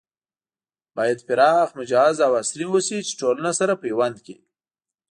بايد پراخ، مجهز او عصري اوسي چې ټولنه سره پيوند کړي